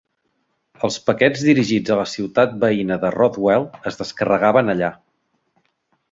Els paquets dirigits a la ciutat veïna de Rothwell es descarregaven allà.